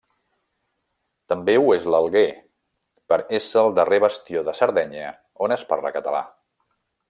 També ho és l'Alguer, per ésser el darrer bastió de Sardenya on es parla català.